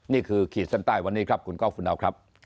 นี่คือขีดสั้นใต้วันนี้ครับคุณก้าวฟุนดาวครับ